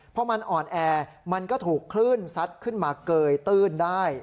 พอมันอ่อนแอมันก็ถูกคลื่นซัดขึ้นมาเกยตื้นได้